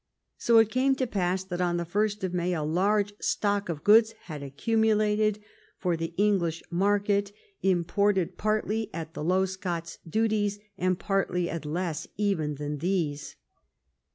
" So it came to pass that on the 1st of May a large stock of goods had accumulated for the English market, imported partly at the low Scots duties and partly at less even than these."